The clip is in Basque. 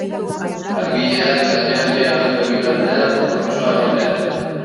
Langileak lanean diharduten bitartean jauntxoa egonean.